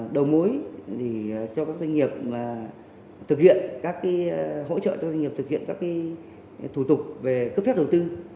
đầu mối cho các doanh nghiệp thực hiện các hỗ trợ cho doanh nghiệp thực hiện các thủ tục về cấp phép đầu tư